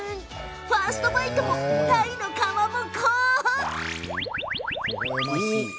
ファーストバイトも鯛のかまぼこ。